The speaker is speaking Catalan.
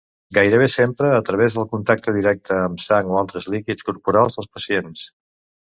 Gairebé sempre a través del contacte directe amb sang o altres líquids corporals dels pacients.